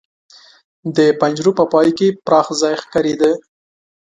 د پنجرو په پای کې پراخ ځای ښکارېده.